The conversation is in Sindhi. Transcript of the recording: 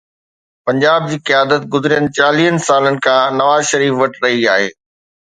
پنجاب جي قيادت گذريل چاليهه سالن کان نواز شريف وٽ رهي آهي.